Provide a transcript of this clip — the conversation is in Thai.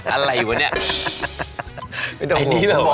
อะไรอยู่ป่ะนี่อันนี้แปลวะไม่ต้องห่วง